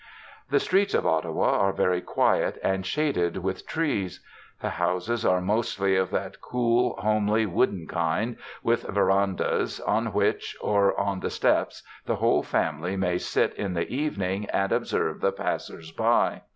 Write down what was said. The streets of Ottawa are very quiet, and shaded with trees. The houses are mostly of that cool, homely, wooden kind, with verandahs, on which, or on the steps, the whole family may sit in the evening and observe the passers by.